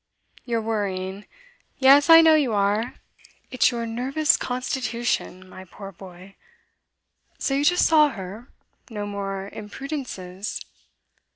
You're worrying; yes, I know you are. It's your nervous constitution, my poor boy. So you just saw her? No more imprudences?